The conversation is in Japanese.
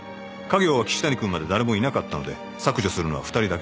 か行は岸谷君まで誰もいなかったので削除するのは２人だけで済んだ。